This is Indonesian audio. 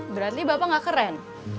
berarti bapak gak keren